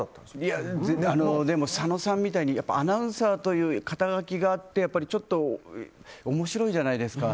佐野さんみたいにアナウンサーという肩書があってちょっと面白いじゃないですか。